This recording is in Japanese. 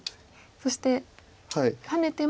そしてハネても。